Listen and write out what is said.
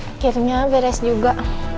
akhirnya beres juga